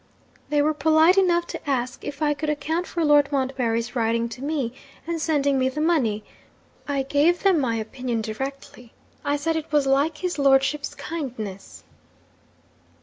They were polite enough to ask if I could account for Lord Montbarry's writing to me and sending me the money. I gave them my opinion directly I said it was like his lordship's kindness.'